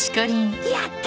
やった！